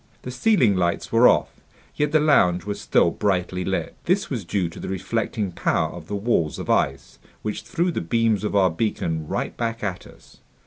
The ceiling lights were off, yet the lounge was still brightly lit. This was due to the reflecting power of the walls of ice, which threw the beams of our beacon right back at us.